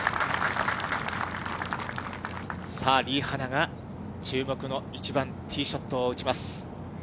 さあ、リ・ハナが注目の１番ティーショットを打ちます。